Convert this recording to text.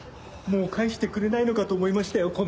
もう返してくれないのかと思いましたよ